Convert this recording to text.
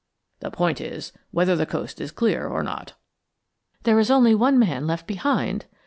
The point is whether the coast is clear or not." "There is only one man left behind."